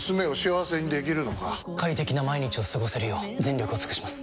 快適な毎日を過ごせるよう全力を尽くします！